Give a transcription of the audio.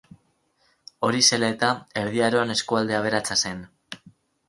Hori zela eta, Erdi Aroan eskualde aberatsa zen.